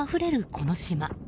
この島。